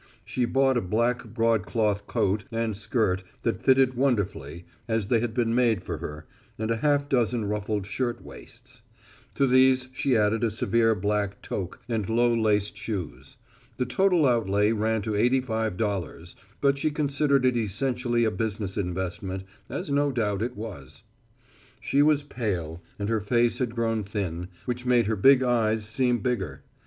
She bought a black broadcloth coat and skirt that fitted wonderfully, as if they had been made for her, and a half dozen ruffled shirt waists. To these she added a severe black toque and low laced shoes. The total outlay ran to eighty five dollars, but she considered it essentially a business investment, as no doubt it was. She was pale, and her face had grown thin, which made her big eyes seem bigger.